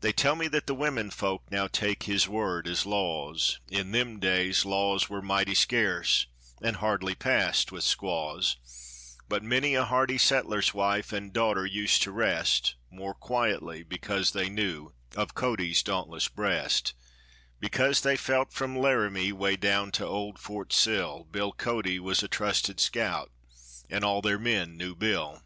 They tell me that the women folk now take his word as laws; In them days laws were mighty skerce, and hardly passed with squaws; But many a hardy settler's wife and daughter used to rest More quietly because they knew of Cody's dauntless breast; Because they felt, from Laramie way down to old Fort Sill, Bill Cody was a trusted scout, and all their men knew Bill.